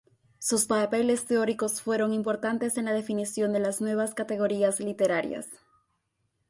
Sus papeles teóricos fueron importantes en la definición de las nuevas categorías literarias.